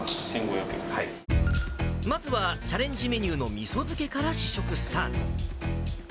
まずはチャレンジメニューのみそ漬けから試食スタート。